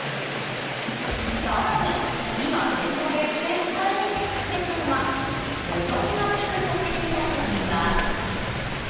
更に今、店頭で絶対にチェックすべきなのが保存が利く食品だといいます。